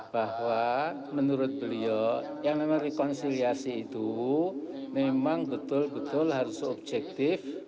bahwa menurut beliau yang memang rekonsiliasi itu memang betul betul harus objektif